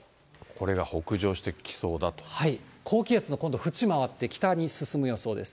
これが高気圧の今度縁回って、北に進む予想です。